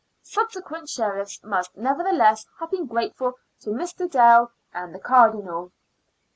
Subsequent Sheriffs must never theless have been grateful to Mr. Dale and the Cardinal.